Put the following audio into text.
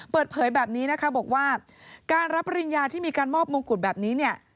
เปิดเผยแบบนี้นะคะบอกว่าการรับปริญญาที่มีการมอบมงกุฎแบบนี้เนี่ย